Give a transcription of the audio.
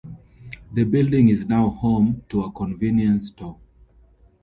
The building is now home to a convenience store.